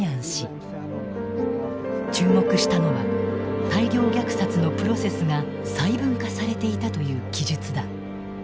注目したのは大量虐殺のプロセスが細分化されていたという記述だ。